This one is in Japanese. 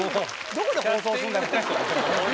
どこで放送すんだね。